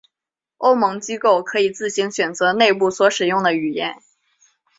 欧盟机构可以自行选择内部所使用的语言。